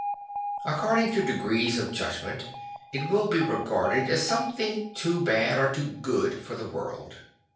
According to degrees of judgment, it will be regarded as something too bad or too good for the world.